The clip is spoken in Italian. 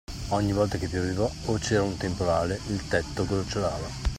Ogni volta che pioveva o c'era un temporale, il tetto gocciolava.